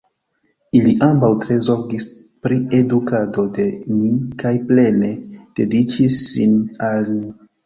Ili ambaŭ tre zorgis pri edukado de ni kaj plene dediĉis sin al ni.